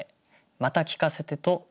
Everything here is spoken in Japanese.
「また聞かせて」。